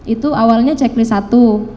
itu awalnya checklist satu